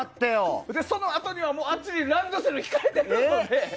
そのあとにはあっちにランドセルが控えてるので。